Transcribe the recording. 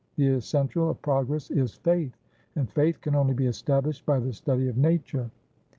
The essential of progress is Faith, and Faith can only be established by the study of Nature."